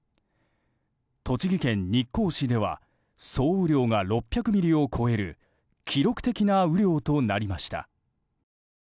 栃木県日光市では総雨量が６００ミリを超える記録的な雨量となりました。